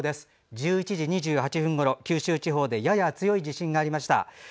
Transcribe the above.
１１時２８分ごろ、九州地方でやや強い地震がありました。